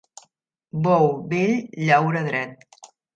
Bou vell llaura dret